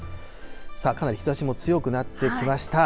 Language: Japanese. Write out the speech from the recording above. さあ、かなり日ざしも強くなってきました。